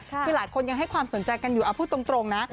คือหลายคนยังให้ความสนใจกันอยู่เอาพูดตรงนะ